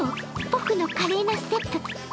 僕の華麗なステップ。